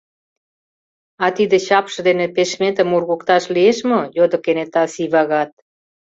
— А тиде чапше дене пешметым ургыкташ лиеш мо? — йодо кенета Сивагат.